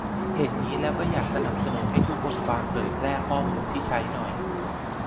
เห็นงี้แล้วก็อยากสนับสนุนให้ทุกบทความเผยแพร่ข้อมูลที่ใช้หน่อย